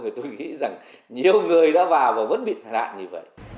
thì tôi nghĩ rằng nhiều người đã vào và vẫn bị thải nạn như vậy